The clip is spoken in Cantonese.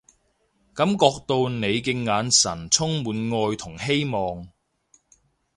感覺到你嘅眼神充滿愛同希望